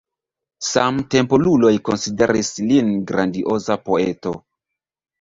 Samtempuloj konsideris lin grandioza poeto.